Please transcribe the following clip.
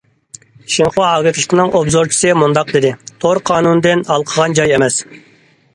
شىنخۇا ئاگېنتلىقىنىڭ ئوبزورچىسى مۇنداق دېدى: تور قانۇندىن ھالقىغان جاي ئەمەس.